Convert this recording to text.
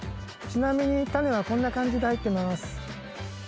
ちなみに種はこんな感じで入ってます